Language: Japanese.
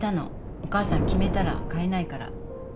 お母さん決めたら変えないから。